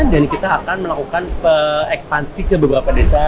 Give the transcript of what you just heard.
dan kita akan melakukan ekspansi ke beberapa desa